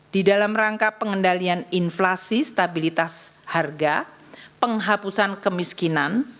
di dalam rangka pengendalian inflasi stabilitas harga penghapusan kemiskinan